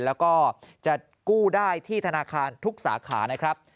แล้วก็จะกู้ได้ที่ธนาคารทุกสาขานะครับ